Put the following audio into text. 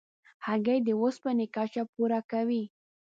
هګۍ د اوسپنې کچه پوره کوي.